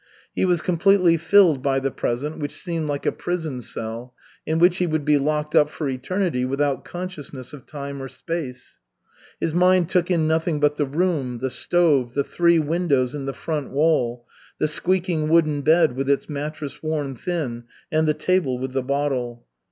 He was completely filled by the present, which seemed like a prison cell, in which he would be locked up for eternity without consciousness of time or space. His mind took in nothing but the room, the stove, the three windows in the front wall, the squeaking wooden bed with its mattress worn thin, and the table with the bottle.